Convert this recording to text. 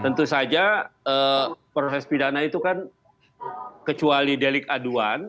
tentu saja proses pidana itu kan kecuali delik aduan